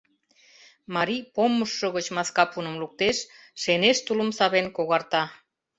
Марий помышшо гыч маска пуным луктеш, шенеш тулым савен, когарта.